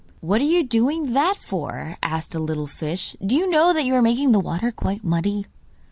'What are you doing that for?' asked a little fish. 'Do you know that you are making the water quite muddy?